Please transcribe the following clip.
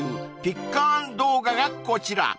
ピッカーン動画がこちら